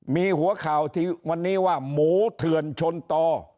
มีหัวข่าวที่วันนี้ว่าหมูเถื่อนชนต่อ